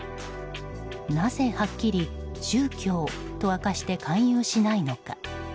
なぜはっきり宗教と明かして勧誘しないのか。